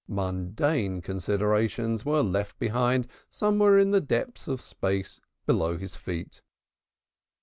Mundane considerations were left behind somewhere in the depths of space below his feet.